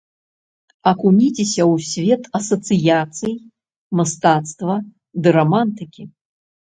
Акуніцеся ў свет асацыяцый, мастацтва ды рамантыкі!